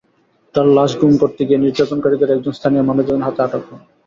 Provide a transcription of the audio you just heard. তার লাশ গুম করতে গিয়ে নির্যাতনকারীদের একজন স্থানীয় মানুষজনের হাতে আটক হন।